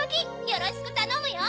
よろしくたのむよ！